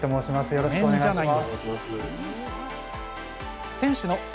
よろしくお願いします。